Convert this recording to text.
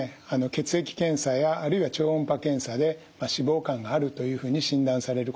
血液検査やあるいは超音波検査で脂肪肝があるというふうに診断されることはよくあると思います。